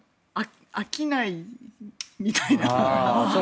飽きないみたいな？